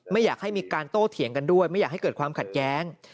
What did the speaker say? ไม่อยากให้มีการโต้เถียงกันด้วยไม่อยากให้เกิดความขัดแย้ง